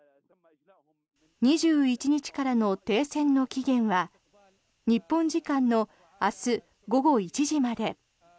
２１日からの停戦の期限は日本時間の明日午後１時まで。